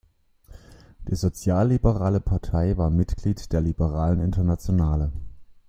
Die Sozialliberale Partei war Mitglied der Liberalen Internationale.